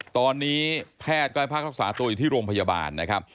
ตอนนี้แพทย์ก็ให้พักรักษาตัวอยู่ที่โรงพยาบาลนะครับ